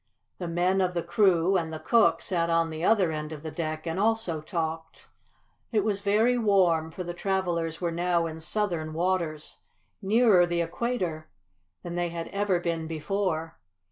The men of the crew, and the cook, sat on the other end of the deck, and also talked. It was very warm, for the travelers were now in southern waters, nearer the equator than they had ever been before.